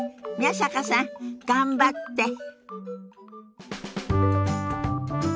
宮坂さん頑張って！